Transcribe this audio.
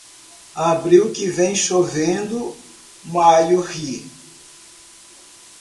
Abril que vem chovendo, maio ri.